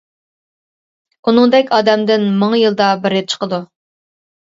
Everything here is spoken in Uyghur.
ئۇنىڭدەك ئادەمدىن مىڭ يىلدا بىرى چىقىدۇ.